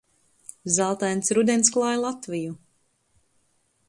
Zeltains rudens klāj Latviju.